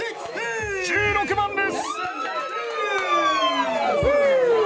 １６番です！